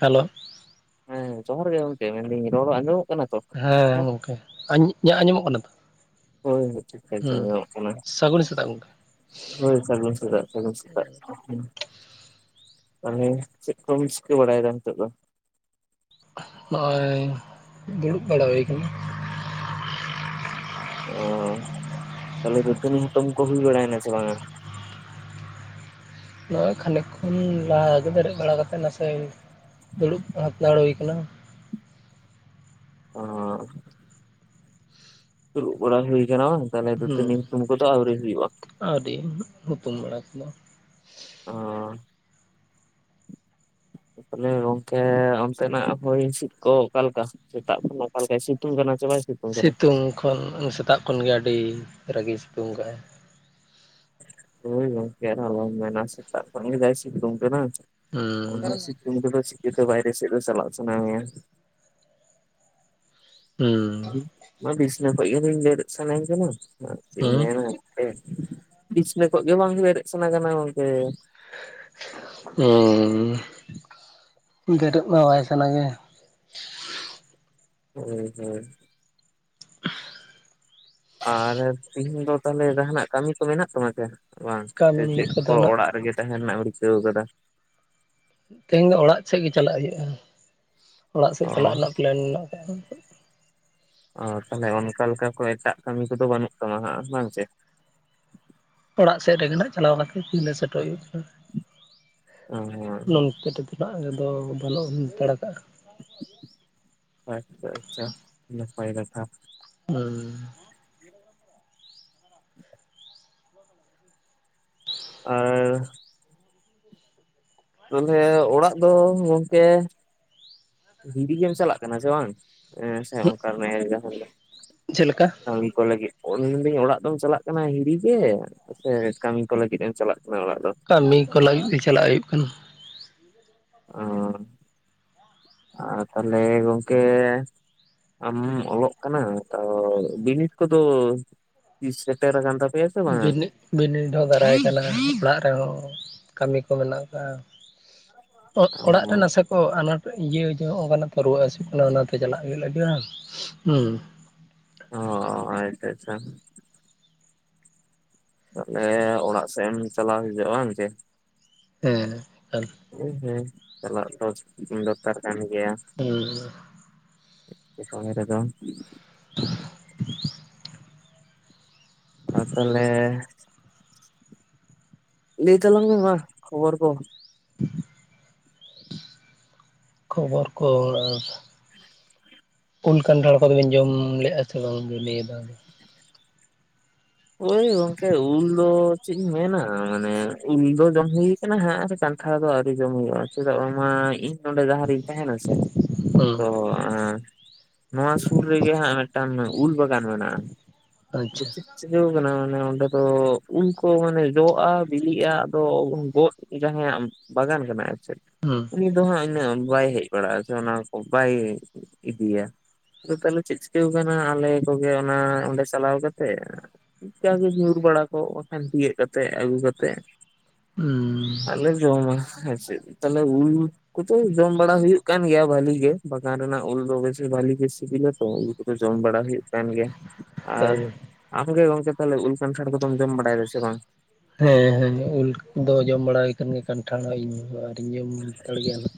Hello ᱦᱮᱸ ᱡᱚᱦᱟᱨ ᱜᱮ ᱜᱚᱢᱠᱮ ᱢᱮᱱᱫᱟᱹᱧ ᱨᱚᱲ ᱟᱸᱡᱚᱢᱚᱜ ᱠᱟᱱᱟ ᱛᱚ ᱴᱷᱤᱠ ᱦᱮᱸ ᱴᱷᱟᱠ? ᱜᱚᱢᱠᱮ ᱟᱸᱡ ᱤᱧᱟᱜ ᱟᱸᱡᱚᱢᱚᱜ ᱠᱟᱱᱟ ᱛᱚ ᱦᱳᱭ ᱴᱷᱤᱠ ᱴᱷᱟᱠ ᱦᱩᱸ ᱟᱸᱡᱚᱢᱚᱜ ᱠᱟᱱᱟ ᱥᱟᱹᱜᱩᱱ ᱥᱮᱛᱟᱜ ᱜᱚᱝᱠᱮ ᱦᱳᱭ ᱥᱟᱹᱜᱩᱱ ᱥᱮᱛᱟᱜ ᱥᱟᱹᱜᱩᱱ ᱥᱮ [unintelligible] ᱛᱟᱦᱚᱞᱮ ᱪᱮᱜ ᱠᱚᱢ ᱪᱤᱠᱟᱹ ᱵᱟᱲᱟᱭᱮᱫᱟ ᱱᱤᱛᱚᱜ ᱫᱚ? ᱦᱚᱸᱜ ᱚᱭ ᱫᱩᱲᱩᱵ ᱵᱟᱲᱟ ᱦᱩᱭ ᱠᱟᱱᱟ ᱾ ᱳ ᱛᱟᱦᱚᱞᱮ ᱫᱟᱹᱛᱟᱹᱱᱤ ᱦᱩᱛᱩᱢ ᱠᱚ ᱦᱩᱭ ᱵᱟᱲᱟᱭᱮᱱᱟ ᱥᱮ ᱵᱟᱝᱼᱟ? ᱱᱚᱜᱼᱚᱭ ᱠᱷᱟᱱᱤᱠ ᱠᱷᱚᱱ ᱞᱟᱦᱟᱜᱮ ᱫᱮᱨᱮᱫ ᱵᱟᱲᱟ ᱠᱟᱛᱮᱫ ᱱᱟᱥᱮ ᱫᱩᱲᱩᱵ ᱦᱟᱛᱟᱲ ᱦᱩᱭ ᱠᱟᱱᱟ ᱾ ᱚᱸᱻ ᱫᱩᱲᱩᱵ ᱵᱟᱲᱟ ᱦᱩᱭ ᱠᱟᱱᱟ ᱵᱟᱝ ᱛᱟᱦᱚᱞᱮ ᱫᱟᱹᱛᱟᱹᱱᱤ ᱦᱩᱛᱩᱢ ᱠᱚᱫᱚ ᱟᱹᱣᱨᱤ ᱦᱩᱭᱩᱜᱼᱟ ᱾ ᱟᱹᱣᱨᱤ ᱦᱩᱛᱩᱢ ᱵᱟᱲᱟ ᱠᱚᱫᱟ᱾ ᱚᱸᱻ ᱾ ᱛᱟᱦᱚᱞᱮ ᱜᱚᱢᱠᱮ ᱚᱱᱛᱮᱱᱟᱜ ᱦᱚᱭ ᱦᱤᱥᱤᱫ ᱠᱚ ᱚᱠᱟᱞᱮᱠᱟ? ᱥᱮᱛᱟᱜ ᱠᱷᱚᱱᱟᱜ ᱚᱠᱟᱞᱮᱠᱟᱭ ᱥᱤᱛᱩᱝ ᱠᱟᱱᱟ ᱪᱮ ᱵᱟᱭ ᱥᱤᱛᱩᱝ ᱠᱷᱚᱱ ᱥᱮᱛᱟᱜ ᱠᱷᱚᱱᱜᱮ ᱟᱹᱰᱤ ᱨᱟᱹᱜᱤ ᱥᱤᱛᱩᱝ ᱠᱟᱜᱼᱟᱭ ᱾ ᱦᱳᱭ ᱜᱚᱢᱠᱮ ᱟᱨ ᱟᱞᱚᱢ ᱢᱮᱱᱟ ᱥᱮᱛᱟᱜ ᱠᱷᱚᱱ ᱜᱮ ᱡᱟᱭ ᱥᱤᱛᱩᱝ ᱠᱟᱫᱟ ᱦᱩᱸ ᱚᱱᱟ ᱥᱤ ᱥᱤᱛᱩᱝ ᱨᱮ ᱫᱚ ᱪᱤᱠᱟᱹᱛᱮ ᱵᱟᱭᱨᱮ ᱥᱮᱫ ᱫᱚ ᱪᱟᱞᱟᱜ ᱥᱟᱱᱟᱢᱮᱭᱟ᱾ ᱦᱩᱸ [unintelligible] ᱢᱟ ᱵᱤᱥᱱᱟᱹ ᱠᱷᱚᱱᱜᱮ ᱵᱮᱧ ᱵᱮᱨᱮᱫ ᱥᱟᱱᱟᱧ ᱠᱟᱱᱟ ᱢᱟ ᱪᱮᱫ ᱮᱢ ᱦᱩᱸ ᱢᱮᱱᱟ ᱮ ᱵᱤᱪᱷᱱᱟᱹ ᱠᱷᱚᱱᱟᱜᱮ ᱵᱟᱝ ᱵᱮᱨᱮᱫ ᱥᱟᱱᱟ ᱠᱟᱱᱟ ᱜᱚᱢᱠᱮ᱾ ᱩᱸᱻ ᱵᱮᱨᱮᱫ ᱢᱟ ᱵᱟᱭ ᱥᱟᱱᱟ ᱜᱮ [unintelligible] [unintelligible] ᱟᱨᱮ ᱛᱤᱦᱤᱧ ᱫᱚ ᱛᱟᱦᱚᱞᱮ ᱡᱟᱦᱟᱱᱟᱜ ᱠᱟᱹᱢᱤ ᱠᱚ ᱢᱮᱱᱟᱜ ᱛᱟᱢᱟ ᱪᱮ ᱵᱟᱝ ᱥᱮ ᱠᱟᱹᱢᱤ ᱪᱮᱫ ᱠᱚ ᱠᱚᱫᱚ ᱱᱟᱜ ᱚᱲᱟᱜ ᱨᱮᱜᱮ ᱛᱟᱦᱮᱸ ᱨᱮᱱᱟᱜ ᱮᱢ ᱨᱤᱠᱟᱹᱣ ᱠᱟᱫᱟ ᱾ ᱛᱮᱦᱮᱧ ᱫᱚ ᱚᱲᱟᱜ ᱥᱮᱜ ᱜᱮ ᱪᱟᱞᱟᱜ ᱦᱩᱭᱩᱜᱼᱟ ᱚᱲᱟᱜ ᱥᱮᱫ ᱚ ᱪᱟᱞᱟᱜ ᱨᱮᱱᱟᱜ ᱯᱮᱞᱮᱱ ᱢᱮᱱᱟᱜ ᱠᱟᱜᱼᱟ᱾ ᱚ ᱛᱚᱵᱮ ᱚᱱᱠᱟᱱ ᱠᱮ ᱠᱚ ᱮᱴᱟᱜ ᱠᱟᱹᱢᱤ ᱠᱚᱫᱚ ᱵᱟᱹᱱᱩᱜ ᱛᱟᱢᱟ ᱦᱟᱸᱜ ᱵᱟᱝ ᱪᱮ᱾ ᱚᱲᱟᱜ ᱥᱮᱜ ᱨᱮᱜᱮ ᱱᱟᱜ ᱪᱟᱞᱟᱣ ᱠᱟᱛᱮᱫ ᱛᱤᱱᱨᱮ ᱥᱮᱴᱮᱨ ᱦᱩᱭᱩᱜ ᱠᱟᱱᱟ ᱚ ᱱᱚᱱᱛᱮ ᱛᱮᱫᱚ ᱚᱲᱟᱜ ᱨᱮᱫᱚ ᱵᱟᱹᱱᱩᱜ ᱦᱟᱛᱟᱲᱟ‌ ᱠᱟᱜ ᱟᱪᱪᱷᱟ ᱟᱪᱪᱷᱟ ᱱᱟᱯᱟᱭ ᱠᱟᱛᱷᱟ ᱾ ᱦᱩᱸ, ᱟᱸᱨ ᱛᱟᱦᱚᱞᱮ ᱚᱲᱟᱜ ᱫᱚ ᱜᱚᱢᱠᱮ ᱦᱤᱨᱤ ᱜᱮᱢ ᱪᱟᱞᱟᱜ ᱠᱟᱱᱟ ᱪᱮ ᱵᱟᱝ ᱦᱮᱸᱥᱮ ᱚᱱᱠᱟᱱ [unintelligible] ᱡᱚᱦᱟᱨ ᱫᱚ ᱾ [unintelligible] ᱠᱟᱹᱢᱤ ᱠᱚ ᱞᱟᱹᱜᱤᱫ ᱢᱮᱱᱫᱟᱹᱧ ᱚᱲᱟᱜ ᱫᱚᱢ ᱪᱟᱞᱟᱜ ᱠᱟᱱᱟ ᱦᱤᱨᱤ ᱜᱮ ᱥᱮ ᱠᱟᱹᱢᱤ ᱠᱚ ᱞᱟᱹᱜᱤᱫ ᱮᱢ ᱪᱟᱞᱟᱜ ᱠᱟᱱᱟ ᱚᱲᱟᱜ ᱫᱚ ᱾ ᱠᱟᱢᱤ ᱠᱚ ᱞᱟᱹᱜᱤᱫ ᱜᱮ ᱪᱟᱞᱟᱜ ᱦᱩᱭᱩᱜ ᱠᱟᱱᱟ ᱾ ᱚᱸᱻ ᱟᱨ ᱛᱟᱦᱞᱮ ᱜᱚᱝᱠᱮ ᱟᱢ ᱚᱞᱚᱜ ᱠᱟᱱᱟ ᱛᱚ ᱵᱤᱱᱤᱰ ᱠᱚᱫᱚ ᱛᱤᱥ ᱥᱮᱴᱮᱨ ᱠᱟᱱ ᱛᱟᱯᱮᱭᱟ ᱾ ᱵᱤᱱᱤᱰ ᱵᱤᱱᱤᱰ ᱦᱚᱸ ᱫᱟᱨᱟᱭ ᱠᱟᱱᱟ ᱚᱲᱟᱜ ᱨᱮᱦᱚᱸ ᱠᱟᱹᱢᱤ ᱠᱚ ᱢᱮᱱᱟᱜ ᱠᱟᱜᱼᱟ ᱾ ᱚᱜᱼᱚᱲᱟᱜ ᱨᱮ ᱱᱟᱥᱮ ᱚ ᱟᱱᱟᱴ ᱤᱭᱟᱹ ᱡᱮ ᱚᱱᱟᱛᱮ ᱨᱩᱣᱟᱹ ᱦᱟᱹᱥᱩᱜ ᱠᱟᱱᱟ ᱚᱱᱟᱛᱮ ᱪᱟᱞᱟᱜ ᱜᱮ ᱞᱟᱜᱟᱜᱼᱟ [unintelligible] ᱾ ᱚ ᱟᱪᱪᱷᱟ ᱟᱪᱪᱷᱟ ᱾ ᱛᱟᱦᱚᱞᱮ ᱚᱲᱟᱜ ᱥᱮᱜ ᱮᱢ ᱪᱟᱞᱟᱣ ᱦᱤᱡᱩᱜᱼᱟ ᱵᱟᱝ ᱪᱮ ᱮᱸ ᱛᱟᱦᱞᱮ ᱦᱮᱸ ᱦᱮᱸ ᱪᱟᱞᱟᱜ ᱫᱚ ᱫᱚᱨᱠᱟᱨ ᱠᱟᱱ ᱜᱮᱭᱟ ᱩᱸᱻ ᱥᱩᱢᱤ‌ ᱨᱮᱫᱚ ᱟᱨ ᱛᱟᱦᱞᱮ ᱞᱟᱹᱭ ᱛᱟᱞᱟᱝ ᱢᱮ ᱢᱟ ᱠᱷᱚᱵᱚᱨ ᱠᱚ, [inaudible] ᱠᱷᱚᱵᱚᱨ ᱠᱚ ᱟᱨ ᱩᱞ ᱠᱷᱟᱱᱴᱷᱟᱲ ᱠᱚ ᱵᱤᱱ ᱡᱚᱢ ᱞᱮᱜᱼᱟ ᱥᱮ ᱵᱟᱝ ᱱᱤᱭᱟᱫᱷᱟᱣ ᱫᱚ᱾ ᱳᱭ ᱜᱚᱝᱠᱮ ᱩᱞ ᱫᱚ ᱪᱮᱫ ᱤᱧ ᱢᱮᱱᱟ, ᱢᱟᱱᱮ ᱩᱞ ᱫᱚ ᱡᱚᱢ ᱦᱳᱭ ᱠᱟᱱᱟ ᱦᱟᱸᱜ, ᱠᱟᱱᱴᱷᱟᱲ ᱫᱚ ᱟᱹᱣᱨᱤ ᱡᱚᱢ ᱦᱳᱭᱳᱜᱼᱟ, ᱪᱮᱫᱟᱜ ᱵᱟᱝᱢᱟ ᱤᱧ ᱱᱚᱰᱮ ᱡᱟᱦᱟᱸ ᱨᱤᱧ ᱛᱟᱦᱮᱸᱱᱟ ᱥᱮ ᱦᱩᱸ ᱛᱚ ᱟᱸ ᱱᱚᱣᱟ ᱥᱩᱨ ᱨᱮᱜᱮ, ᱦᱟᱸᱜ ᱢᱮᱜᱴᱟᱱ ᱩᱞ ᱵᱟᱜᱟᱱ ᱢᱮᱱᱟᱜᱼᱟ᱾ ᱟᱫᱚ ᱟᱪᱪᱷᱟ, ᱪᱮᱫ ᱪᱤᱠᱟᱹᱣ ᱠᱟᱱᱟ ᱢᱟᱱᱮ ᱚᱸᱰᱮ ᱫᱚ, ᱩᱞ ᱠᱚ ᱢᱟᱱᱮ ᱡᱚᱜᱼᱟ, ᱵᱤᱞᱤᱜᱼᱟ ᱟᱫ ᱩᱱ ᱜᱚᱫ ᱡᱟᱦᱟᱸᱭᱟᱜ ᱵᱟᱜᱟᱱ ᱠᱟᱱᱟ, ᱟᱨ ᱪᱮᱫ ᱦᱩᱸ, ᱩᱱᱤ ᱫᱚ ᱦᱟᱸᱜ ᱩᱱᱟᱹᱜ ᱵᱟᱭ ᱦᱮᱡ ᱵᱟᱲᱟᱜᱼᱟ, ᱥᱮ ᱚᱱᱟ ᱠᱚ ᱵᱟᱭ ᱤᱫᱤᱭᱟ᱾ ᱟᱫᱚ ᱛᱟᱦᱚᱞᱮ ᱪᱮᱫ ᱪᱤᱠᱟᱹᱣ ᱠᱟᱱᱟ, ᱟᱞᱮ ᱠᱚᱜᱮ ᱚᱱᱟ ᱚᱸᱰᱮ ᱪᱟᱞᱟᱣ ᱠᱟᱛᱮ ᱡᱟ ᱜᱮ ᱧᱩᱨ ᱵᱟᱲᱟ ᱠᱚᱜ, ᱵᱟᱠᱷᱟᱱ ᱛᱤᱭᱳᱜ ᱠᱟᱛᱮᱜ ᱟᱹᱜᱩ ᱠᱟᱛᱮᱜ ᱩᱸ, ᱟᱨ ᱞᱮ ᱡᱚᱢᱟ ᱦᱮᱸᱥᱮ, ᱛᱟᱞᱮ ᱩᱞ ᱠᱚᱫᱚ ᱡᱚᱢ ᱵᱟᱲᱟ ᱦᱩᱭᱩᱜ ᱠᱟᱱ ᱜᱮᱭᱟ, ᱵᱷᱟᱞᱤ ᱜᱮ, ᱵᱟᱜᱟᱱ ᱨᱮᱱᱟᱜ ᱩᱞ ᱫᱚ ᱵᱮᱥᱤ ᱵᱷᱟᱞᱤ ᱜᱮ ᱥᱤᱵᱤᱞᱟ ᱛᱚ᱾ ᱠᱚᱫᱚ ᱡᱚᱢ ᱵᱟᱲᱟ ᱦᱩᱭᱩᱜ ᱠᱟᱱ ᱜᱮᱭᱟ, ᱟᱨ ᱛᱟᱦᱞᱮ ᱟᱢ ᱜᱮ ᱜᱚᱝᱠᱮ ᱛᱟᱦᱚᱞᱮ, ᱩᱞ ᱠᱷᱟᱱᱴᱷᱟᱲ ᱠᱚᱫᱚᱢ ᱡᱚᱢ ᱵᱟᱲᱟᱭ ᱫᱟ ᱥᱮ ᱵᱟᱝ? ᱦᱮᱸ, ᱦᱮᱸ, ᱩᱞᱫᱚ ᱡᱚᱢ ᱵᱟᱲᱟ ᱦᱩᱭ ᱠᱟᱱ ᱜᱮᱭᱟ, ᱠᱟᱱᱴᱷᱟᱲ ᱤᱧ ᱦᱚ ᱟᱣᱨᱤᱧ ᱡᱚᱢ ᱦᱟᱛᱟᱲ ᱜᱮᱭᱟ ᱱᱟᱜ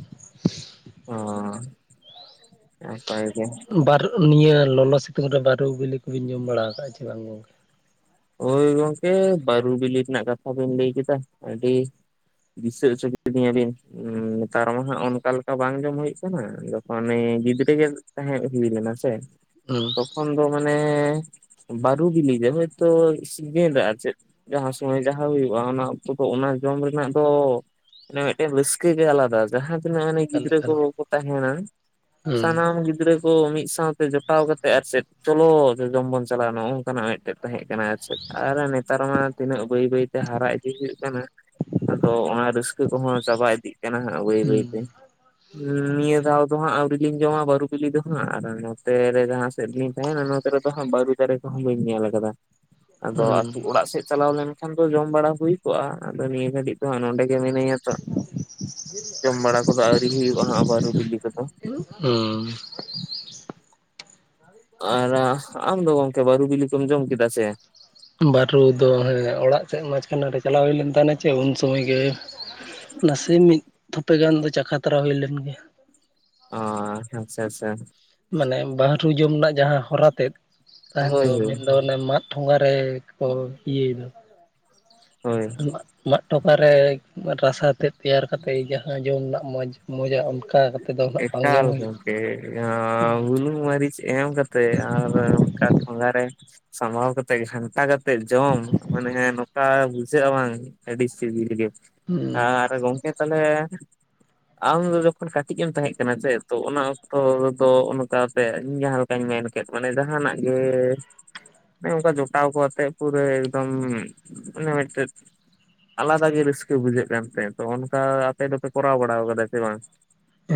ᱚ, ᱱᱟᱯᱟᱭ ᱜᱮ ᱱᱟᱜ ᱵᱟᱨ ᱱᱤᱭᱟᱹ ᱞᱚᱞᱚ ᱥᱤᱛᱩᱝ ᱨᱮ, ᱵᱟᱨᱩ ᱵᱤᱞᱤ ᱠᱚᱵᱤᱱ ᱡᱚᱢ ᱵᱟᱲᱟ ᱠᱟᱜᱼᱟ, ᱪᱮ ᱵᱟᱝ ᱜᱚᱝᱠᱮ? ᱦᱳᱭ ᱜᱚᱝᱠᱮ, ᱵᱟᱹᱨᱩ ᱵᱤᱞᱤ ᱨᱮᱱᱟᱜ ᱠᱟᱛᱷᱟ ᱵᱤᱱ ᱞᱟᱹᱭ ᱠᱮᱫᱟ, ᱟᱹᱰᱤ ᱫᱤᱥᱟᱹ ᱦᱚᱪᱚ ᱠᱤᱫᱤᱧᱟ ᱵᱤᱱ᱾ ᱱᱮᱛᱟᱨ ᱢᱟ ᱦᱟᱸᱜ ᱚᱱᱠᱟ ᱞᱮᱠᱟ ᱵᱟᱝ ᱡᱚᱢ ᱦᱳᱭᱳᱜ ᱠᱟᱱᱟ, ᱡᱚᱠᱷᱚᱱ ᱤᱧ ᱜᱤᱫᱽᱨᱟᱹ ᱜᱮ ᱛᱟᱦᱮᱸ ᱦᱩᱭ ᱞᱮᱱᱟ ᱥᱮ, ᱦᱩᱸ ᱛᱚᱠᱷᱚᱱ ᱫᱚ ᱢᱟᱱᱮ, ᱵᱟᱨᱩ ᱵᱤᱞᱤ ᱜᱮ ᱦᱳᱭ ᱛᱚ ᱥᱤᱡᱤᱱ ᱨᱮ ᱟᱨ ᱪᱮᱫ ᱡᱟᱦᱟᱸ ᱥᱚᱢᱚᱭ ᱡᱟᱦᱟᱸ ᱦᱩᱭᱩᱜᱼᱟ, ᱚᱱᱟ ᱚᱠᱛᱚ ᱫᱚ ᱚᱱᱟ ᱡᱚᱢ ᱨᱮᱱᱟᱜ ᱫᱚ ᱢᱟᱱᱮ ᱢᱮᱫᱴᱮᱱ ᱨᱟ. ᱥᱠᱟᱹ ᱜᱮ ᱟᱞᱟᱫᱟ᱾ ᱡᱟᱦᱟᱸ ᱛᱤᱱᱟᱹᱜ‌ ᱢᱟᱱᱮ ᱮᱠᱟᱞ ᱜᱤᱫᱽᱨᱟᱹ ᱮᱠᱟᱞ ᱠᱚ ᱠᱚ ᱛᱟᱦᱮᱸᱱᱟ, ᱦᱩᱸ ᱥᱟᱱᱟᱢ ᱜᱤᱫᱽᱨᱟᱹ ᱠᱚ ᱢᱤᱫ ᱥᱟᱶᱛᱮ ᱡᱚᱴᱟᱣ ᱠᱟᱛᱮᱜ ᱟᱨ ᱪᱮᱫ, ᱪᱚᱞᱚ ᱡᱚ ᱡᱚᱢ ᱵᱚᱱ ᱪᱟᱞᱟᱜᱼᱟ, ᱱᱚᱝᱠᱟᱱᱟᱜ ᱢᱮᱴᱮᱡ᱾ ᱛᱟᱦᱮᱸᱜ ᱠᱟᱱᱟ ᱟᱨ ᱪᱮᱫ, ᱟᱨ ᱱᱮᱛᱟᱨ ᱢᱟ ᱛᱤᱱᱟᱹᱜ ᱵᱟᱹᱭ ᱵᱟᱹᱭᱛᱮ ᱦᱟᱨᱟ ᱤᱫᱤ ᱦᱩᱭᱩᱜ ᱠᱟᱱᱟ, ᱟᱫᱚ ᱚᱱᱟ ᱨᱟᱹᱥᱠᱟᱹ ᱠᱚᱦᱚᱸ ᱪᱟᱵᱟ ᱤᱫᱤᱜ ᱠᱟᱱᱟᱸ ᱦᱟᱸᱜ, ᱵᱟᱹᱭ ᱦᱩᱸ ᱵᱟᱹᱭᱛᱮ ᱱᱤᱭᱟᱹ ᱫᱷᱟᱣ ᱟᱫᱚ ᱦᱟᱸᱜ ᱟᱹᱣᱨᱤ ᱞᱤᱧ ᱡᱚᱢᱟ ᱵᱟᱹᱨᱩ ᱵᱤᱞᱤ ᱫᱚ ᱦᱟᱸᱜ, ᱟᱨ ᱱᱚᱛᱮ ᱨᱮ ᱡᱟᱦᱟᱸ ᱥᱮᱫ ᱨᱮᱞᱤᱧ ᱛᱟᱦᱮᱸᱱᱟ ᱱᱚᱛᱮ ᱨᱮᱫᱚ ᱦᱟᱸᱜ, ᱵᱟᱹᱨᱩ ᱫᱟᱨᱮ ᱠᱚᱦᱚᱸ ᱵᱟᱹᱧ ᱧᱮᱞ ᱠᱟᱫᱟ᱾ ᱟᱫᱚ ᱟᱛᱩ ᱚᱲᱟᱜ ᱥᱮᱫ ᱪᱟᱞᱟᱣ ᱞᱮᱱᱠᱷᱟᱱ ᱫᱚ, ᱡᱚᱢ ᱵᱟᱲᱟ ᱦᱩᱭ ᱠᱚᱜᱼᱟ, ᱟᱫᱚ ᱱᱤᱭᱟᱹ ᱜᱷᱟᱹᱲᱤ ᱱᱤᱛᱚᱜ ᱦᱟᱸᱜ ᱱᱚᱸᱰᱮ ᱜᱮ ᱢᱤᱱᱟᱹᱧᱟ ᱛᱚ᱾ ᱡᱚᱢ ᱵᱟᱲᱟ ᱠᱚᱫᱚ ᱟᱹᱣᱨᱤ ᱦᱩᱭᱩᱜᱼᱟ, ᱦᱟᱸᱜ ᱵᱟᱹᱨᱩ ᱵᱤᱞᱤ ᱠᱚᱫᱚ᱾ ᱚᱸ, ᱟᱨ ᱟᱢ ᱫᱚ ᱜᱚᱝᱠᱮ, ᱵᱟᱹᱨᱩ ᱵᱤᱞᱤ ᱠᱚᱢ ᱡᱚᱢ ᱠᱮᱫᱟ ᱥᱮ? ᱵᱟᱹᱨᱩ ᱫᱚ ᱦᱮᱸ, ᱚᱲᱟᱜ ᱥᱮᱫ ᱢᱟᱪᱠᱷᱟᱱᱮ ᱨᱮ ᱪᱟᱞᱟᱣ ᱦᱩᱭᱞᱱ ᱛᱟᱦᱮᱸᱱᱟ ᱪᱮ, ᱩᱱ ᱥᱚᱢᱚᱭ ᱜᱮ ᱱᱟᱥᱮ ᱢᱤᱫ ᱛᱷᱚᱯᱮ ᱜᱟᱱ ᱫᱚ, ᱪᱟᱠᱷᱟ ᱛᱟᱨᱟ ᱦᱩᱭ ᱞᱮᱱ ᱜᱮ ᱚᱸ, ᱟᱪᱪᱷᱟ, ᱟᱪᱪᱷᱟ, ᱢᱟᱱᱮ ᱵᱟᱦᱟᱨᱩ ᱡᱚᱢ ᱨᱮᱱᱟᱜ ᱡᱟᱦᱟᱸ ᱦᱚᱨᱟ ᱛᱮᱫ, ᱛᱟᱦᱮᱱ ᱦᱳᱭ ᱫᱚ ᱦᱳᱭ ᱢᱮᱱ ᱫᱚ ᱚᱱᱟ ᱢᱟᱫ ᱴᱷᱚᱸᱜᱟ ᱨᱮ ᱠᱚ, ᱤᱭᱟᱹᱭ ᱫᱚ᱾ ᱦᱳᱭ [unintelligible] [unintelligible] ᱢᱟᱫ ᱴᱚᱠᱷᱟᱨᱮ ᱨᱟᱥᱟ ᱛᱮᱫ ᱛᱮᱭᱟᱨ ᱠᱟᱛᱮ, ᱡᱟᱦᱟᱸ ᱡᱚᱢ ᱨᱮᱱᱟᱜ ᱢᱚᱡᱽ ᱢᱚᱡᱟ ᱚᱱᱠᱟ ᱫᱚ ᱦᱟᱸᱜ ᱵᱟᱝ ᱮᱠᱟᱞ ᱡᱚᱢ ᱦᱩᱭ ᱜᱚᱢᱠᱮ ᱡᱟᱦᱟᱸ ᱵᱩᱞᱩᱝ ᱢᱟᱨᱤᱪ ᱮᱢ ᱠᱟ ᱛᱮ ᱟᱨ ᱚᱱᱠᱟ ᱴᱷᱚᱝᱜᱟᱨᱮ ᱥᱟᱢᱵᱟᱽᱣ ᱠᱟᱛᱮ ᱜᱷᱟᱱᱴᱟ ᱠᱟ ᱠᱟᱛᱮᱫ ᱡᱚᱢ, ᱢᱟᱱᱮ ᱱᱚᱝᱠᱟ ᱵᱩᱡᱷᱟᱹᱜᱼᱟ ᱵᱟᱝ ᱟᱹᱰᱤ ᱥᱤᱵᱤᱞ ᱜᱮ᱾ ᱦᱩᱸ ᱟᱨ ᱜᱚᱢᱠᱮ ᱛᱟᱦᱚᱞᱮ, ᱟᱢ ᱫᱚ ᱡᱚᱠᱷᱚᱱ ᱠᱟ ᱴᱤᱡ ᱮᱢ ᱛᱟᱦᱮᱸ ᱠᱟᱱᱟ ᱥᱮ, ᱛᱚ ᱚᱱᱟ ᱚᱠᱛᱚ ᱨᱮᱫᱚ, ᱚᱱᱠᱟ ᱛᱮ ᱤᱧ ᱡᱟᱦᱟᱸ ᱞᱮᱠᱟᱧ ᱢᱮᱱ ᱠᱮᱫ ᱢᱟᱱᱮ ᱡᱟᱦᱱᱟᱜ ᱜᱮ ᱢᱟᱱᱮ ᱚᱱᱠᱟ ᱡᱚᱴᱟᱣ ᱠᱚ ᱟᱛᱮᱜ ᱯᱩᱨᱟᱹ, ᱮᱠᱫᱚᱢ ᱢᱟᱱᱮ ᱢᱮᱫᱮᱡ ᱟᱞᱟᱫᱟ ᱜᱮ ᱨᱟᱹᱥᱠᱟᱹ ᱵᱩᱡᱷᱟᱹᱜ ᱠᱟᱱ ᱛᱟᱦᱮᱸᱫ ᱛᱚ ᱚᱱᱠᱟ ᱟᱯᱮ ᱫᱚᱯᱮ ᱠᱚᱨᱟᱣ ᱵᱟᱲᱟᱣ ᱠᱟᱫᱟ ᱪᱮ ᱵᱟᱝ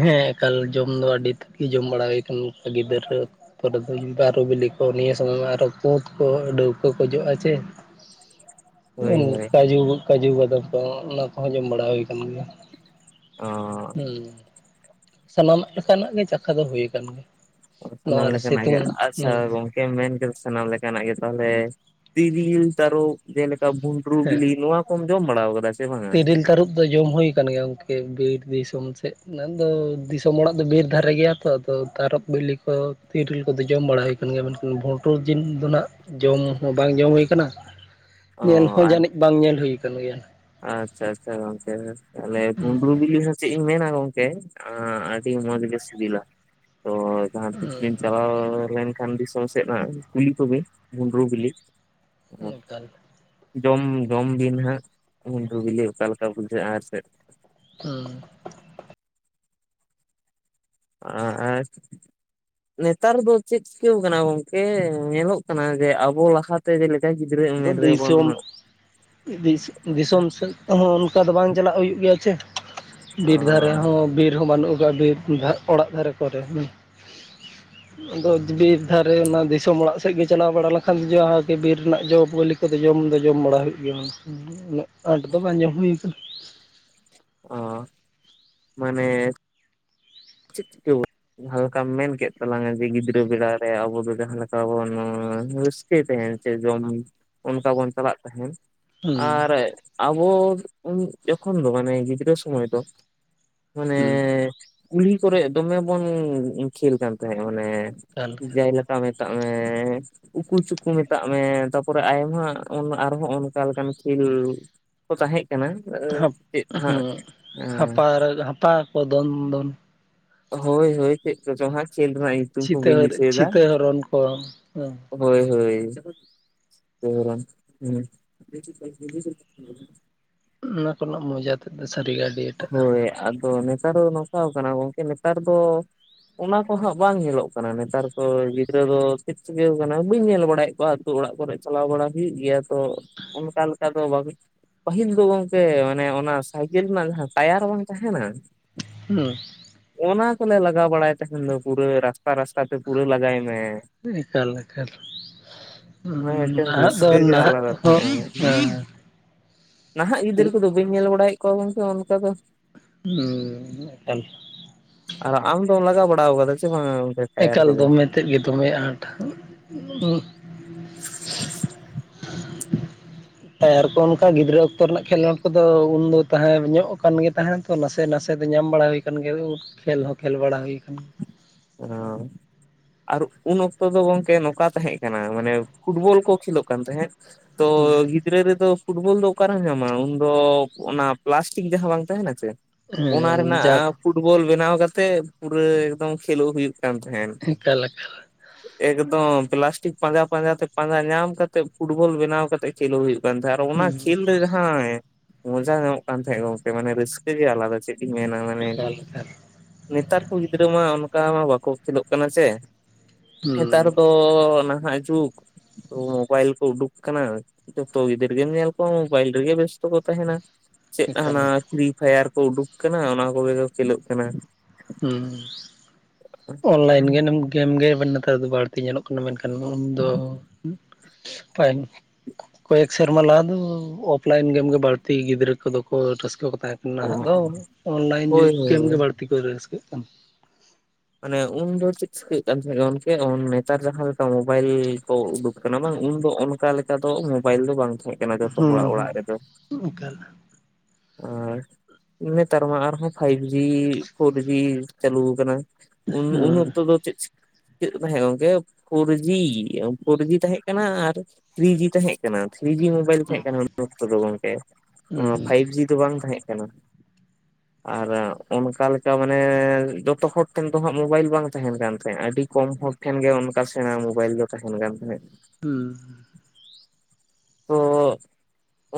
ᱦᱮᱸ ᱮᱠᱟᱞ ᱡᱚᱢ ᱫᱚ ᱟᱹᱰᱤ ᱛᱷᱤᱡ ᱜᱮ ᱡᱚᱢ ᱵᱟᱲᱟ ᱦᱩᱭ ᱟᱠᱟᱱ ᱜᱤᱫᱽᱟᱹᱨ ᱨᱮ ᱯᱚᱨᱮ ᱫᱚ ᱩᱱ ᱵᱟᱹᱨᱩ ᱵᱤᱞᱤ ᱠᱚ ᱱᱤᱭᱟᱹ ᱥᱚᱢᱚᱭ ᱢᱟ ᱟᱨᱚ ᱠᱩᱸᱫ ᱠᱚ ᱰᱟᱹᱣᱠᱟᱹ ᱠᱚ ᱡᱚᱜᱼᱟ ᱪᱮ [inaudible] ᱩᱱ ᱦᱳᱭ ᱠᱟᱹᱡᱩ ᱠᱟᱹᱡᱩ ᱵᱟᱫᱟᱢ ᱠᱚ ᱦᱟᱸ ᱚᱱᱟ ᱠᱚᱦᱚᱸ ᱡᱚᱢ ᱵᱟᱲᱟ ᱦᱩᱭ ᱠᱟᱱ ᱜᱮᱭᱟ ᱚᱸ ᱦᱩᱸ ᱥᱟᱱᱟᱢᱟᱜ ᱞᱮᱠᱟᱱᱟᱜ ᱜᱮ ᱪᱟᱠᱷᱟ ᱫᱚ ᱦᱩᱭ ᱟᱠᱟᱱ ᱜᱮ ᱛᱚᱵᱮ ᱥᱟᱱᱟᱢ ᱞᱮᱠᱟᱱᱟᱜ ᱜᱮ ᱟᱪᱪᱷᱟ ᱜᱚᱢᱠᱮ ᱠᱮᱢ ᱢᱮᱱ ᱠᱮᱫᱟ ᱥᱟᱱᱟᱢ ᱞᱮᱠᱟᱱᱟᱜ ᱜᱮ ᱛᱟᱦᱚᱞᱮ ᱛᱤᱨᱤᱞ ᱛᱟᱹᱨᱚᱯ ᱡᱮᱞᱮᱠᱟ ᱵᱷᱩᱱ ᱰᱨᱩ ᱦᱮᱸ ᱵᱤᱞᱤ ᱱᱚᱣᱟ ᱠᱚᱢ ᱡᱚᱢ ᱵᱟᱲᱟᱣ ᱠᱟᱫᱟ ᱥᱮ ᱵᱟᱝᱟ? ᱛᱤᱨᱤᱞ ᱛᱟᱹᱨᱩᱵ ᱫᱚ ᱡᱚᱢ ᱦᱩᱭ ᱟᱠᱟᱱ ᱜᱮᱭᱟ ᱜᱚᱢ ᱠᱮ ᱵᱤᱨ ᱫᱤᱥᱚᱢ ᱥᱮᱫ ᱚᱱᱟ ᱫᱚ ᱫᱤᱥᱚᱢ ᱚᱲᱟᱜ ᱫᱚ ᱵᱤᱨ ᱫᱷᱟᱨᱮ ᱜᱮᱭᱟ ᱛᱚ ᱟᱫᱚ ᱛᱟᱨᱚᱯ ᱵᱤᱞᱤ ᱠᱚ ᱛᱤᱨᱤᱞ ᱠᱚᱫᱚ ᱡᱚᱢ ᱵᱟᱲᱟ ᱦᱩᱭ ᱠᱟᱱ ᱜᱮᱭᱟ ᱢᱮᱱᱠᱷᱟᱱ ᱵᱷᱚᱸᱴᱩᱨ ᱡᱤᱞ ᱫᱚ ᱱᱟᱜ ᱡᱚᱢ ᱦᱚᱸ ᱵᱟᱝ ᱡᱚᱢ ᱦᱩᱭᱠᱟᱱᱟ ᱚ ᱧᱮᱞ ᱦᱚᱸ ᱡᱟᱹᱱᱤᱡ ᱵᱟᱝ ᱧᱮᱞ ᱦᱩᱭᱠᱟᱱ ᱜᱮᱭᱟ ᱟᱪᱪᱷᱟ ᱟᱪᱪᱷᱟ ᱜᱚᱝᱠᱮ ᱛᱟᱦᱚᱞᱮ ᱵᱩᱸᱰᱨᱩ ᱵᱤᱞᱤ ᱦᱚᱸ ᱪᱮᱫ ᱤᱧ ᱢᱮᱱᱟ ᱜᱚᱢᱠᱮ ᱟᱹᱰᱤ ᱢᱚᱡᱽ ᱜᱮ ᱥᱤᱵᱤᱞᱟ ᱛᱚ ᱡᱟᱦᱟᱸ ᱛᱤᱥ ᱵᱤᱱ ᱪᱟᱞᱟᱣ ᱞᱮᱱᱠᱷᱟᱱ ᱫᱤᱥ ᱥᱚᱢ ᱥᱮᱫ ᱦᱟᱸᱜ ᱠᱩᱞᱤ ᱠᱚᱵᱤᱱ ᱵᱷᱩᱸᱰᱨᱩ ᱵᱤᱞᱤ ᱦᱩᱢ ᱮᱠᱟᱞ ᱡᱚᱢ ᱡᱚᱢ ᱵᱤᱱ ᱦᱟᱸᱜ ᱵᱷᱩᱸᱰᱨᱩ ᱵᱤᱞᱤ ᱚᱠᱟᱞᱮᱠᱟ ᱵᱩᱡᱷᱟᱹᱜᱼᱟ ᱟᱨ ᱥᱮᱫ ᱦᱩᱸ ᱟᱸ ᱟᱨ ᱱᱮᱛᱟᱨ ᱫᱚ ᱪᱮᱫ ᱪᱤᱠᱟᱹᱣᱠᱟᱱᱟ ᱜᱚᱝᱠᱮ ᱧᱮᱞᱚᱜ ᱠᱟᱱᱟ ᱡᱮ ᱟᱵᱚ ᱞᱟᱦᱟᱛᱮ ᱡᱮᱞᱮᱠᱟ ᱜᱤᱫ ᱟᱫᱚ ᱫᱤᱥᱚᱢ ᱫᱤᱥ ᱫᱤᱥᱚᱢ ᱥᱮᱫ ᱦᱚᱸ ᱚᱱᱠᱟ ᱫᱚ ᱵᱟᱝ ᱪᱟᱞᱟᱜ ᱦᱩᱭᱩᱜ ᱜᱮᱭᱟ ᱪᱮ ᱵᱤᱨ ᱫᱷᱟᱨᱮ ᱦᱚᱸ ᱵᱤᱨ ᱦᱚᱸ ᱵᱟᱹᱱᱩᱜ ᱟᱠᱟᱜᱼᱟ ᱵᱤᱨ ᱫᱷᱟᱜ ᱚᱲᱟᱜ ᱫᱷᱟᱨᱮ ᱠᱚᱨᱮ ᱦᱩᱸ ᱟᱫᱚ ᱵᱤᱨ ᱫᱷᱟᱨᱮ ᱚᱱᱟ ᱫᱤᱥᱚᱢ ᱚᱲᱟᱜ ᱥᱮᱫ ᱜᱮ ᱪᱟᱞᱟᱣ ᱵᱟᱲᱟ ᱞᱮᱱᱠᱷᱟᱱ ᱫᱚ ᱡᱟᱦᱟᱸᱜᱮ ᱵᱤᱨ ᱨᱮᱱᱟᱜ ᱡᱚ ᱵᱟᱹᱞᱤ ᱠᱚᱫᱚ ᱡᱚᱢ ᱫᱚ ᱡᱚᱢ ᱵᱟᱲᱟ ᱦᱩᱭᱩᱜ ᱜᱮᱭᱟ ᱜᱚᱢᱠᱮ ᱩᱱᱟᱹᱜ ᱟᱸᱴ ᱫᱚ ᱵᱟᱝ ᱡᱚᱢ ᱦᱩᱭ ᱟᱠᱟᱱᱟ ᱚᱸ ᱢᱟᱱᱮ ᱪᱮᱫ ᱪᱤᱠᱟᱹᱣ ᱡᱟᱦᱟᱸ ᱞᱮᱠᱟᱢ ᱢᱮᱱ ᱠᱮᱫ ᱛᱟᱞᱟᱝᱟ ᱡᱮ ᱜᱤᱫᱽᱨᱟᱹ ᱵᱮᱲᱟ ᱨᱮ ᱟᱵᱚ ᱫᱚ ᱡᱟᱦᱟᱸ ᱞᱮᱠᱟ ᱵᱚᱱ ᱨᱟᱹᱥ ᱠᱟᱹᱭ ᱛᱟᱦᱮᱱ ᱡᱮ ᱡᱚᱢ ᱚᱱᱠᱟ ᱵᱚᱱ ᱪᱟᱞᱟᱜ ᱛᱟᱦᱮᱱ ᱦᱩᱸ ᱟᱨ ᱟᱵᱚ ᱩᱱ ᱡᱚᱠᱷᱚᱱ ᱫᱚ ᱢᱟᱱᱮ ᱜᱤᱫᱽᱨᱟᱹ ᱥᱚᱢᱚᱭ ᱫᱚ ᱢᱟᱱᱮ ᱦᱩᱸ ᱠᱩᱞᱦᱤ ᱠᱚᱨᱮ ᱫᱚᱢᱮ ᱵᱚᱱ ᱠᱷᱮᱞ ᱠᱟᱱ ᱛᱟᱦᱮᱸᱜ ᱢᱟᱱᱮ ᱮᱠᱟᱞ ᱡᱟᱭ ᱞᱮᱠᱟ ᱢᱮᱛᱟᱜ ᱢᱮ ᱩᱠᱩ ᱪᱩᱠᱩ ᱢᱮᱛᱟᱜ ᱢᱮ ᱛᱟᱯᱚᱨᱮ ᱟᱭᱢᱟ ᱟᱨᱦᱚᱸ ᱚᱱᱠᱟ ᱞᱮᱠᱟᱱ ᱠᱷᱮᱞ ᱠᱚ ᱛᱟᱦᱮᱸᱜ ᱠᱟᱱᱟ ᱦᱟᱯ ᱪᱮᱫ ᱦᱟᱸᱜ ᱦᱮᱸ ᱦᱟᱯᱟᱨᱮ ᱦᱟᱯᱟᱠᱚ ᱫᱚᱱ ᱫᱚᱱ ᱦᱚᱭ ᱦᱚᱭ ᱪᱮᱫᱠᱚᱪᱚ ᱠᱷᱮᱞᱱᱟ ᱪᱤᱛᱟᱹᱨ ᱪᱷᱤᱛᱟᱹ ᱦᱚᱨᱚᱱ ᱠᱚ ᱦᱮᱸ ᱦᱚᱭ ᱦᱚᱭ ᱪᱷᱤᱛᱟ ᱦᱚᱨᱚᱱ ᱚᱱᱟ ᱠᱚᱨᱮᱱᱟᱜ ᱢᱚᱡᱟ ᱛᱮᱫ ᱫᱚ ᱥᱟᱹᱨᱤ ᱜᱮ ᱦᱚᱭ ᱟᱫᱚ ᱱᱮᱛᱟᱨ ᱫᱚ ᱱᱚᱣᱠᱟ ᱠᱟᱱᱟ ᱜᱚᱝᱠᱮ ᱱᱮᱛᱟᱨ ᱫᱚ ᱚᱱᱟ ᱠᱚᱦᱟᱸᱜ ᱵᱟᱝ ᱧᱮᱞᱚᱜ ᱠᱟᱱᱟ ᱱᱮᱛᱟᱨ ᱠᱚ ᱜᱤᱫᱽᱨᱟᱹ ᱫᱚ ᱪᱮᱫ ᱪᱤᱠᱟᱹ ᱠᱟᱱᱟ ᱵᱟᱹᱧ ᱧᱮᱞ ᱵᱟᱲᱟᱭᱮᱫ ᱠᱚᱣᱟ ᱟᱛᱩ ᱚᱲᱟᱜ ᱠᱚᱨᱮ ᱪᱟᱞᱟᱣ ᱵᱟᱲᱟ ᱦᱩᱭᱩᱜ ᱜᱮᱭᱟ ᱛᱚ ᱚᱱᱠᱟ ᱞᱮᱠᱟ ᱫᱚ ᱵᱟᱝ ᱯᱟᱹᱦᱤᱞ ᱫᱚ ᱜᱚᱢᱠᱮ ᱢᱟᱱᱮ ᱚᱱᱟ ᱥᱟᱭᱠᱮᱞ ᱨᱮᱱᱟᱜ ᱡᱟᱦᱟᱸ ᱴᱟᱭᱟᱨ ᱵᱟᱝ ᱛᱟᱦᱮᱱᱟ ᱦᱩᱸ ᱚᱱᱟ ᱠᱚᱞᱮ ᱞᱟᱜᱟᱣ ᱵᱟᱲᱟᱭ ᱛᱟᱦᱮᱱ ᱫᱚ ᱯᱩᱨᱟᱹ ᱨᱟᱥᱛᱟ ᱨᱟᱥᱛᱟ ᱛᱮ ᱯᱩᱨᱟᱹ ᱞᱟᱜᱟᱭ ᱢᱮ ᱮᱠᱟᱞ ᱮᱠᱟᱞ ᱚᱱᱟ ᱢᱤᱫᱴᱮᱱ ᱱᱟᱦᱟᱜ ᱫᱚ ᱨᱟᱹᱥᱠᱟᱹ ᱜᱮ ᱱᱟᱦᱟᱜ ᱟᱞᱟᱫᱟ ᱦᱚᱸ ᱛᱟᱦᱮᱸᱜᱼᱟ ᱱᱟᱦᱟᱜ ᱜᱤᱫᱽᱟᱹᱨ ᱠᱚᱫᱚ ᱵᱟᱹᱧ ᱧᱮᱞ ᱵᱟᱲᱟᱭᱮᱫ ᱠᱚᱣᱟ ᱜᱚᱝᱠᱮ ᱚᱱᱠᱟ ᱫᱚ ᱦᱩᱸ [unintelligible] ᱟᱨ ᱟᱢ ᱫᱚ ᱞᱟᱜᱜᱟ ᱵᱟᱲᱟᱣᱟᱠᱟᱫᱟ ᱥᱮ ᱵᱟᱝ ᱮᱠᱟᱞ ᱫᱚ ᱢᱮᱛᱮ ᱜᱮ ᱫᱚᱢᱮ ᱟᱸᱴ ᱮᱨᱠᱚ ᱚᱱᱠᱟ ᱜᱤᱫᱽᱨᱟᱹ ᱚᱠᱛᱚ ᱨᱮᱱᱟᱜ ᱠᱷᱮᱞᱳᱰ ᱠᱚᱫᱚ ᱩᱱᱫᱚ ᱛᱟᱦᱮᱸ ᱧᱚᱜ ᱠᱟᱱ ᱜᱮ ᱛᱟᱦᱮᱱ ᱛᱚ ᱱᱟᱥᱮ ᱱᱟᱥᱮ ᱫᱚ ᱧᱟᱢ ᱵᱟᱲᱟ ᱦᱩᱭ ᱠᱟᱱᱜᱮᱭᱟ ᱩᱻᱠᱷᱮᱞ ᱦᱚᱸ ᱠᱷᱮᱞ ᱵᱟᱲᱟ ᱦᱩᱭᱠᱟᱱ ᱚᱸᱻᱦᱩᱸ ᱟᱨ ᱩᱱ ᱚᱠᱛᱚ ᱫᱚ ᱜᱚᱢᱠᱮ ᱱᱚᱝᱠᱟ ᱛᱟᱦᱮᱸ ᱠᱟᱱᱟ ᱢᱟᱱᱮ ᱯᱷᱩᱴᱵᱚᱞ ᱠᱚ ᱠᱷᱮᱞᱳᱜ ᱠᱟᱱ ᱛᱟᱦᱮᱸᱫ ᱛᱚ ᱜᱤᱫᱽ ᱜᱤᱫᱽᱨᱟᱹ ᱨᱮᱫᱚ ᱯᱷᱩᱴᱵᱚᱞ ᱫᱚ ᱚᱠᱟᱨᱮᱢ ᱧᱟᱢᱟ ᱩᱱᱫᱚ ᱚᱱᱟ ᱯᱞᱟᱥᱴᱤᱠ ᱡᱟᱦᱟᱸ ᱵᱟᱝ ᱛᱟᱦᱮᱱᱟ ᱪᱮ ᱚᱱᱟ ᱦᱮᱸ ᱡᱟ ᱨᱮᱱᱟᱜ ᱠᱚ ᱯᱷᱩᱸ ᱯᱷᱩᱴᱵᱚᱞ ᱵᱮᱱᱟᱣ ᱠᱟᱛᱮᱫ ᱯᱩᱨᱟᱹ ᱮᱠᱫᱚᱢ ᱠᱷᱮᱞᱳᱜ ᱦᱩᱭᱩᱜ ᱠᱟᱱ ᱛᱟᱦᱮᱸᱱ ᱮᱠᱟᱞ ᱮᱠᱟᱞ ᱮᱠᱫᱚᱢ ᱯᱞᱟᱥᱴᱤᱠ ᱯᱟᱸᱡᱟ ᱯᱟᱸᱡᱟ ᱛᱮ ᱯᱟᱸᱡᱟ ᱧᱟᱢ ᱠᱟᱛᱮᱜ ᱯᱷᱩᱴᱵᱚᱞ ᱵᱮᱱᱟᱣ ᱠᱟᱛᱮᱜ ᱠᱷᱮᱞᱳ ᱦᱩᱭᱩᱜ ᱠᱟᱱ ᱛᱟᱦᱮᱸᱫ ᱟᱨ ᱚᱱᱟ ᱦᱩᱸ ᱠᱷᱮᱞ ᱨᱮ ᱡᱟᱦᱟᱭ ᱢᱚᱡᱟ ᱧᱟᱢᱚᱜ ᱠᱟᱱ ᱛᱟᱦᱮᱸᱫ ᱜᱚᱝᱠᱮ ᱢᱟᱱᱮ ᱨᱟᱹᱥᱠᱟᱹ ᱜᱮ ᱟᱞᱟᱫᱟ ᱪᱮᱫ ᱤᱧ ᱢᱮᱱᱟ ᱢᱟᱱᱮ ᱮᱠᱟᱞ ᱮᱠᱟᱞ ᱱᱮᱛᱟᱨ ᱠᱚ ᱜᱤᱫᱽᱨᱟᱹ ᱢᱟ ᱚᱱᱠᱟ ᱢᱟ ᱵᱟᱠᱚ ᱩᱫᱱᱟᱹᱜ ᱠᱟᱱᱟ ᱥᱮ ᱦᱩᱸ ᱱᱮᱛᱟᱨ ᱫᱚ ᱱᱟᱦᱟᱜ ᱡᱩᱜᱽ ᱢᱳᱵᱟᱭᱤᱞ ᱠᱚ ᱩᱰᱩᱠ ᱟᱠᱟᱱᱟ ᱡᱚᱛᱚ ᱜᱤᱫᱨᱟᱹᱜᱮᱧ ᱧᱮᱞ ᱠᱚᱣᱟ ᱵᱟᱭᱤᱞᱨᱤᱜᱤ ᱵᱮᱥᱛᱚ ᱠᱚ ᱛᱟᱦᱮᱱᱟ ᱪᱮᱫ ᱮᱠᱟᱞ ᱦᱟᱱᱟ ᱯᱷᱨᱤ ᱯᱷᱟᱭᱟᱨ ᱠᱚ ᱩᱰᱩᱠ ᱟᱠᱟᱱᱟ ᱚᱱᱟ ᱠᱚᱜᱮ ᱠᱚ ᱠᱷᱮᱞᱳᱜ ᱠᱟᱱᱟ ᱩᱸᱻ ᱚᱱᱞᱟᱭᱤᱱ [unintelligible] ᱱᱮᱛᱟᱨ ᱫᱚ ᱵᱟᱹᱲᱛᱤ ᱧᱮᱞᱚᱜ ᱠᱟᱱᱟ ᱢᱮᱱᱠᱷᱟᱱ ᱩᱱᱫᱚ [unintelligible] ᱠᱚᱭᱮᱠ ᱥᱮᱨᱢᱟ ᱞᱟᱦᱟ ᱫᱚ ᱚᱯᱷᱞᱟᱭᱤᱱ ᱜᱮᱢᱜᱮ ᱵᱟᱹᱲᱛᱤ ᱜᱤᱫᱽᱨᱟᱹ ᱠᱚᱫᱚ ᱠᱚ ᱨᱟᱹᱥᱠᱟᱹ ᱠᱚ ᱛᱟᱦᱮᱸᱜ ᱚ ᱱᱟᱦᱟᱜ ᱫᱚ ᱚᱱᱞᱟᱭᱤᱱ ᱦᱳᱭ ᱡᱩᱜᱽ ᱦᱳᱭ ᱜᱮᱢᱜᱮ ᱵᱟᱹᱲᱛᱤ ᱠᱚ ᱫᱟᱹᱲ ᱥᱩᱨᱩᱜ ᱠᱟᱱᱟ ᱢᱟᱱᱮ ᱩᱱᱫᱚ ᱪᱮᱫ ᱪᱤᱠᱟᱹᱭ ᱦᱩᱭᱩᱜ ᱠᱟᱱ ᱛᱟᱦᱮᱸ ᱜᱚᱝᱠᱮ ᱱᱮᱛᱟᱨ ᱡᱟᱦᱟᱸ ᱞᱮᱠᱟ ᱢᱳᱵᱟᱭᱤᱞ ᱠᱚ ᱩᱰᱩᱠ ᱠᱟᱱᱟ ᱵᱟᱝ ᱩᱱᱫᱚ ᱚᱱᱠᱟ ᱞᱮᱠᱟ ᱫᱚ ᱢᱳᱵᱟᱭᱤᱞ ᱫᱚ ᱵᱟᱝ ᱛᱟᱦᱮᱸ ᱠᱟᱱᱟ ᱡᱚᱛᱚ ᱦᱚᱲᱟᱜ ᱚᱲᱟᱜ ᱨᱮᱫᱚ ᱩᱸᱜ ᱠᱟᱞ ᱟᱨ ᱱᱮᱛᱟᱨ ᱢᱟ ᱟᱨᱦᱚᱸ ᱯᱷᱟᱭᱤᱵ ᱡᱤ ᱯᱷᱳᱨᱡᱤ ᱪᱟᱹᱞᱩ ᱟᱠᱟᱱᱟ ᱩᱱ ᱩᱱ ᱚᱠᱛᱚ ᱫᱚ ᱪᱮᱫ ᱪᱤ ᱠᱟᱹᱜ ᱛᱟᱦᱮᱸ ᱜᱚᱝᱠᱮ ᱯᱷᱳᱨᱡᱤ ᱯᱷᱳᱨ ᱡᱤ ᱛᱟᱦᱮᱸ ᱠᱟᱱᱟ ᱟᱨ ᱛᱷᱨᱤ ᱡᱤ ᱛᱟᱦᱮᱸ ᱠᱟᱱᱟ ᱠᱟᱱᱟ ᱛᱷᱨᱤ ᱡᱤ ᱢᱳᱵᱟᱭᱤᱞ ᱛᱟᱦᱮᱸ ᱠᱟᱱᱟ ᱩᱱ ᱚᱠᱛᱚ ᱫᱚ ᱜᱚᱝᱠᱮ ᱢᱤ ᱫᱚ ᱵᱟᱝ ᱛᱟᱦᱮᱸ ᱠᱟᱱᱟ ᱟᱨ ᱚᱱᱠᱟ ᱞᱮᱠᱟ ᱢᱟᱱᱮ ᱡᱚᱛᱚ ᱦᱚᱲ ᱴᱷᱮᱱ ᱫᱚ ᱦᱟᱸᱜ ᱢᱳᱵᱟᱭᱤᱞ ᱵᱟᱝ ᱛᱟᱦᱮᱱ ᱠᱟᱱ ᱛᱟᱦᱮᱸᱜᱼᱟ ᱟᱹᱰᱤ ᱠᱚᱢ ᱦᱚᱲ ᱴᱷᱮᱱ ᱜᱮ ᱚᱱᱠᱟ ᱥᱮᱬᱟ ᱢᱳᱵᱟᱭᱤᱞ ᱫᱚ ᱛᱟᱦᱮᱱ ᱠᱟᱱ ᱛᱟᱦᱮᱸᱫ ᱦᱩᱸ ᱛᱚ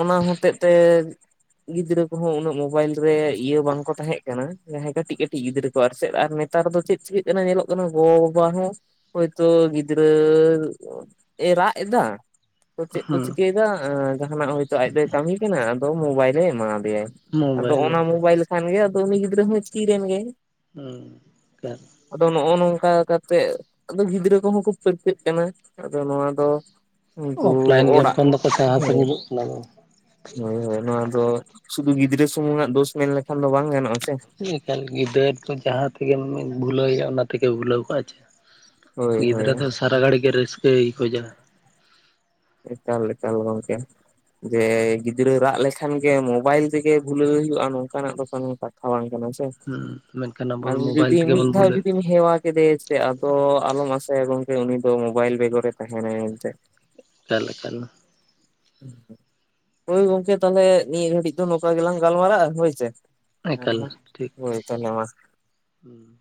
ᱚᱱᱟ ᱦᱚᱛᱮᱜ ᱛᱮ ᱜᱤᱫᱽᱨᱟᱹ ᱠᱚᱦᱚᱸ ᱩᱱᱟᱹᱜ ᱢᱵᱟᱭᱤᱞ ᱨᱮ ᱤᱭᱟᱹ ᱵᱟᱝᱠᱚ ᱛᱟᱦᱮᱸ ᱠᱟᱱᱟ ᱡᱟᱦᱟᱭ ᱠᱟᱹᱴᱤᱡ ᱠᱟᱹᱴᱤᱡ ᱜᱤᱫᱽᱨᱟᱹ ᱠᱚ ᱟᱨ ᱥᱮᱜ ᱱᱮᱛᱟᱨ ᱫᱚ ᱪᱮᱫ ᱪᱤᱠᱟᱹᱜ ᱠᱟᱱᱟ ᱧᱮᱞᱚᱜ ᱠᱟᱱᱟ ᱜᱚᱸᱵᱟᱵᱟ ᱦᱚᱸ ᱦᱳᱭᱛᱳ ᱜᱤᱫᱽᱨᱟᱹ ᱮ ᱨᱟᱜᱼᱮᱫᱟ ᱛᱳᱫᱮ ᱠᱮᱫᱟ ᱟᱻᱡᱟᱦᱟᱱᱟᱜ ᱦᱚᱭᱛᱳ ᱟᱡ ᱫᱚᱭ ᱠᱟᱹᱢᱤ ᱠᱟᱱᱟ ᱟᱫᱚ ᱢᱳᱵᱟᱭᱤᱞᱮ ᱮᱢᱟᱣᱟᱫᱮᱭᱟᱭ ᱟᱫᱚ ᱢᱳᱵᱟᱭᱤᱞ ᱚᱱᱟ ᱞᱮᱠᱟᱱ ᱢᱳᱵᱟᱭᱤᱞ ᱠᱷᱟᱱᱜᱮ ᱟᱫᱚ ᱩᱱᱤ ᱜᱤᱫᱽᱨᱟᱹ ᱦᱚᱸᱭ ᱛᱦᱤᱨ ᱮᱮᱱ ᱜᱮ ᱦᱩᱸ ᱛᱟᱛ ᱟᱫᱚ ᱱᱚᱜᱼᱚ ᱱᱚᱝᱠᱟ ᱠᱟ ᱠᱟᱛᱮᱜ ᱟᱫᱚ ᱜᱤᱫᱽᱨᱟᱹ ᱠᱚᱦᱚᱸ ᱠᱚ ᱯᱟᱹᱨᱠᱟᱹᱜ ᱠᱟᱱᱟ ᱱᱤᱛᱳᱜ ᱫᱚ ᱱᱚᱣᱟ ᱫᱚ ᱩᱱᱠᱩ ᱚᱯᱷᱞᱟᱭᱤᱱ ᱜᱮᱢ ᱚᱲᱟᱜ ᱠᱷᱚᱱ ᱫᱚᱠᱚ ᱥᱟᱦᱟ ᱦᱩᱸ ᱥᱟᱺᱜᱤᱧᱚᱜ ᱠᱟᱱᱟ ᱦᱳᱭ ᱦᱳᱭ ᱱᱚᱣᱟ ᱫᱚ ᱥᱩᱫᱩ ᱜᱤᱫᱽᱨᱟᱹ ᱥᱩᱢᱩᱝᱟᱜ ᱫᱳᱥ ᱢᱮᱱ ᱞᱮᱠᱷᱟᱱ ᱫᱚ ᱵᱟᱝ ᱜᱟᱱᱚᱜᱼᱟ ᱥᱮ ᱱᱮᱛᱟᱨ ᱜᱤᱫᱟᱹᱨ ᱫᱚ ᱡᱟᱦᱟᱸ ᱛᱮᱜᱮᱢ ᱵᱷᱩᱞᱟᱹᱣᱭᱟ ᱚᱱᱟ ᱛᱮᱜᱮ ᱵᱷᱩᱞᱟᱹᱣ ᱠᱟᱜᱼᱟ ᱪᱮ ᱦᱳᱭ ᱦᱳᱭ ᱜᱤᱫᱽᱨᱟᱹ ᱫᱚ ᱥᱟᱨᱟ ᱜᱷᱟᱹᱲᱤ ᱜᱮ ᱨᱟᱹᱥᱠᱟᱹᱭ ᱠᱷᱚᱡᱟ ᱮᱠᱟᱞ ᱮᱠᱟᱞ ᱜᱚᱝᱠᱮ ᱡᱮ ᱜᱤᱫᱽᱨᱟᱹ ᱨᱟᱜ ᱞᱮᱠᱷᱟᱱ ᱜᱮ ᱢᱳᱵᱟᱭᱤᱞ ᱛᱮᱜᱮ ᱵᱷᱩᱞᱟᱹᱣ ᱦᱩᱭᱩᱜᱼᱟ ᱱᱚᱝᱠᱟᱱᱟᱜ ᱫᱚ ᱠᱚᱱᱚ ᱠᱟᱛᱷᱟ ᱵᱟᱝ ᱠᱟᱱᱟ ᱥᱮ ᱦᱩᱸ ᱢᱮᱱᱠᱷᱟᱱ ᱟᱵᱚ ᱟᱨ ᱫᱚ ᱩᱱᱤ ᱢᱳᱵᱟᱭᱤᱞ ᱡᱩᱫᱤ ᱛᱮᱜᱮ ᱢᱤᱫ ᱵᱚᱱ ᱫᱷᱟᱣ ᱵᱷᱩᱞᱟᱹᱜ ᱡᱩᱫᱤᱢ ᱦᱮᱣᱟ ᱠᱮᱫᱮ ᱥᱮ ᱥᱮ ᱟᱫᱚ ᱟᱞᱚᱢ ᱟᱥᱟᱭᱟ ᱜᱚᱝᱠᱮ ᱩᱱᱤ ᱫᱚ ᱢᱳᱵᱟᱭᱤᱞ ᱵᱮᱜᱚᱨᱮ ᱛᱟᱦᱮᱱᱟᱭ ᱮᱱᱛᱮᱜ ᱮᱠᱟᱞ ᱮᱠᱟᱞ, ᱦᱳᱭ ᱜᱚᱝᱠᱮ ᱛᱟᱦᱞᱮ ᱱᱤᱭᱟᱹ ᱜᱷᱟᱹᱲᱤᱡ ᱫᱚ ᱱᱚᱝᱠᱟ ᱜᱮᱞᱟᱝ ᱜᱟᱞᱢᱟᱨᱟᱜᱼᱟ ᱦᱳᱭ ᱥᱮ ᱮᱠᱟᱞ ᱴᱷᱤᱠ [unintelligible] ᱦᱳᱭ ᱛᱚᱞᱦᱮ ᱢᱟ ᱾ [inaudible]